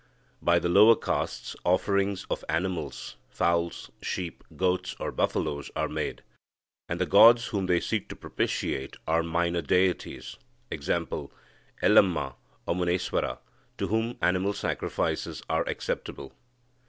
By the lower castes, offerings of animals fowls, sheep, goats, or buffaloes are made, and the gods whom they seek to propitiate are minor deities, e.g., Ellamma or Muneswara, to whom animal sacrifices are acceptable.